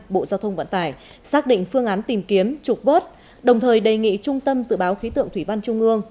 bộ giao thông vận tải xác định phương án tìm kiếm trục vớt đồng thời đề nghị trung tâm dự báo khí tượng thủy văn trung ương